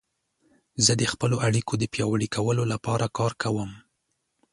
زه د خپلو اړیکو د پیاوړي کولو لپاره کار کوم.